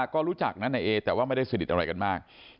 ก็รู้จักนะนายเอแต่ว่าไม่ได้สนิทอะไรกันมาก